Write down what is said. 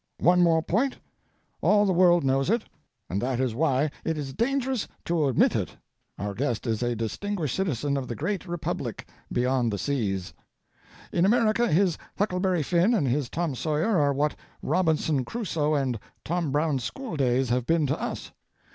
One more point all the world knows it, and that is why it is dangerous to omit it our guest is a distinguished citizen of the Great Republic beyond the seas. In America his 'Huckleberry Finn' and his 'Tom Sawyer' are what 'Robinson Crusoe' and 'Tom Brown's School Days' have been to us.